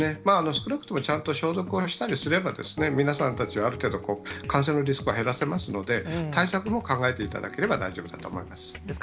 少なくともちゃんと消毒をしたりすれば、皆さんたちはある程度、感染のリスクは減らせますので、対策も考えていただければ大丈夫だと思います。